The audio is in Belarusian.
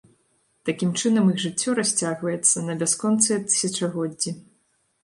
Такім чынам, іх жыццё расцягваецца на бясконцыя тысячагоддзі.